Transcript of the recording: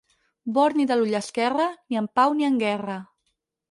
Borni de l'ull esquerre, ni en pau ni en guerra.